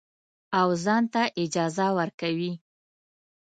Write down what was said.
او ځان ته اجازه ورکوي.